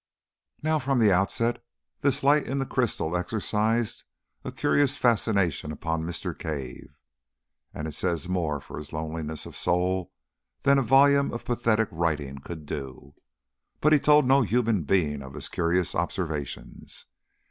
Now, from the outset this light in the crystal exercised a curious fascination upon Mr. Cave. And it says more for his loneliness of soul than a volume of pathetic writing could do, that he told no human being of his curious observations.